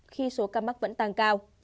khi số ca mắc vẫn tăng cao